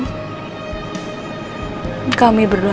dia sudah berubah